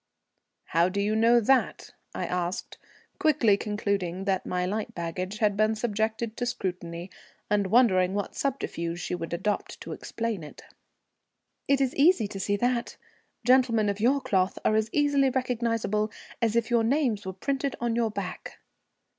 "How do you know that?" I asked, quickly concluding that my light baggage had been subjected to scrutiny, and wondering what subterfuge she would adopt to explain it. "It is easy to see that. Gentlemen of your cloth are as easily recognizable as if your names were printed on your back."